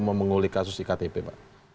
memengulih kasus ektp pak